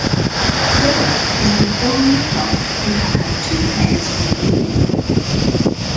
Goa is the only club to have had two players win the award.